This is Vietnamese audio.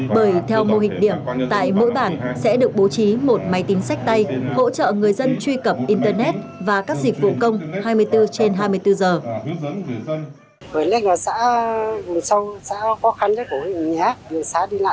bởi theo mô hình điểm tại mỗi bản sẽ được bố trí một máy tính sách tay hỗ trợ người dân truy cập internet và các dịch vụ công hai mươi bốn trên hai mươi bốn giờ